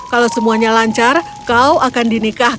kalau semuanya lancar kau akan menemukan ayahmu